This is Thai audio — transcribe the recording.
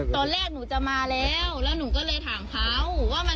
ตอนแรกหนูจะมาแล้วแล้วหนูก็เลยถามเขาว่ามัน